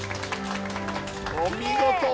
お見事。